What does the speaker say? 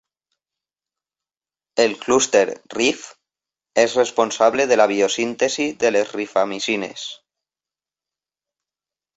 El clúster "rif" és responsable de la biosíntesi de les rifamicines.